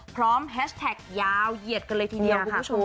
แฮชแท็กยาวเหยียดกันเลยทีเดียวคุณผู้ชม